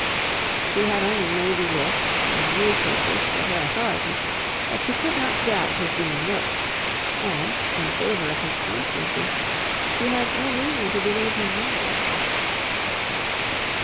She had only navy lists and newspapers for her authority, but she could not doubt his being rich; and, in favour of his constancy, she had no reason to believe him married.